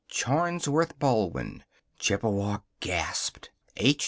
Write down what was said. Charnsworth Baldwin. Chippewa gasped. H.